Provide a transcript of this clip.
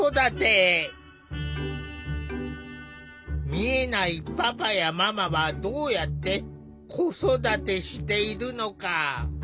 見えないパパやママはどうやって子育てしているのか。